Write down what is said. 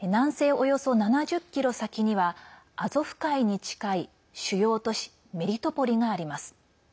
およそ７０ｋｍ先にはアゾフ海に近い主要都市メリトポリがあります。